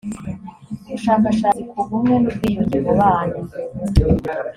ubushakashatsi ku bumwe n ubwiyunge mu bana